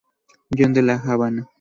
John de La Habana.